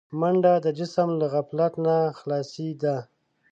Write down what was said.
منډه د جسم له غفلت نه خلاصي ده